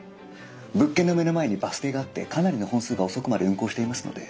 物件の目の前にバス停があってかなりの本数が遅くまで運行していますので。